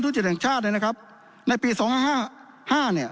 จิตแห่งชาติเลยนะครับในปีสองห้าห้าเนี่ย